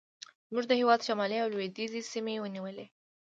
زموږ د هېواد شمالي او لوېدیځې سیمې ونیولې.